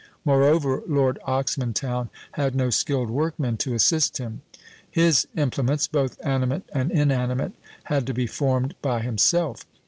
Moreover, Lord Oxmantown had no skilled workmen to assist him. His implements, both animate and inanimate, had to be formed by himself.